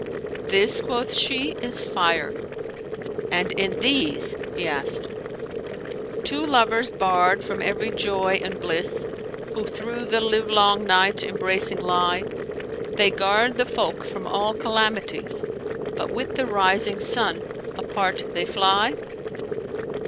'" "This," quoth she, "is Fire." "And in these;" he asked, "Two lovers barred from every joy and bliss, * Who through the livelong night embracing lie: They guard the folk from all calamities, * But with the rising sun apart they fly?"